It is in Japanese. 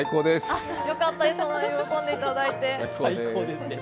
よかったです、喜んでいただいて。